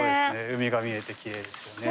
海が見えてきれいですよね。